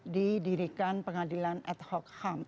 didirikan pengadilan ad hoc ham